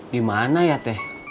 dimana ya teh